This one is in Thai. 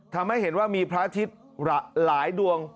ทำให้เห็นว่ามีพระอาทิตย์หลายดวง